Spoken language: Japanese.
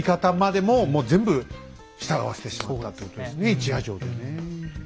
一夜城でね。